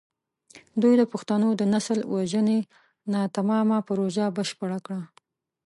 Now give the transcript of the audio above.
دوی د پښتنو د نسل وژنې ناتمامه پروژه بشپړه کړه.